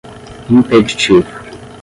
impeditivo